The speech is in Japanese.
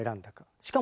しかもね